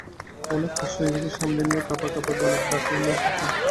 অনেক কষ্টে নিজেকে সামলে নিয়ে কাঁপা-কাঁপা গলায় ডাকলাম, ও খোকা!